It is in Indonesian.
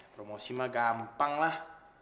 promosi mah gampang lah